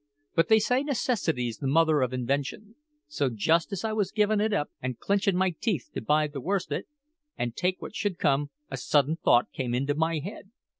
But they say necessity's the mother of invention; so just as I was giving it up and clinchin' my teeth to bide the worst o't and take what should come, a sudden thought came into my head.